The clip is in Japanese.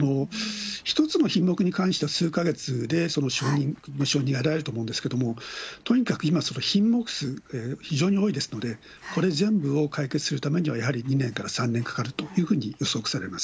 １つの品目に関しては数か月で承認得られると思うんですけれども、とにかく今、品目数、非常に多いですので、これ全部を解決するためには、やはり２年から３年かかるというふうに予測されます。